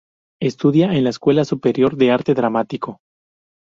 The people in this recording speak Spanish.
Estudia en la Escuela Superior de Arte Dramático.